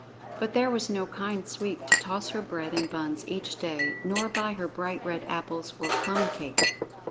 But there was no kind Sweep to toss her bread and buns each day nor buy her bright red apples or plum cake.